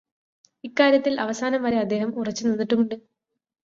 ഇക്കാര്യത്തില് അവസാനം വരെ അദ്ദേഹം ഉറച്ചു നിന്നിട്ടുമുണ്ട്.